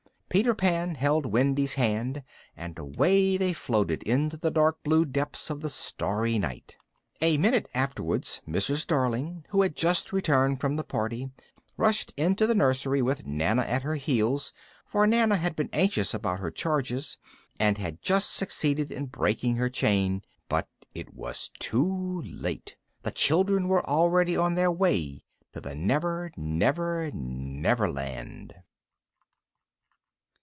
Peter Pan held Wendy's hand, and away they floated into the dark blue depths of the starry night. A minute afterwards Mrs. Darling, who had just returned from the party, rushed into the nursery with Nana at her heels, for Nana had been anxious about her charges, and had just succeeded in breaking her chain. But it was too late. The children were already on their way to the Never Never Never Land.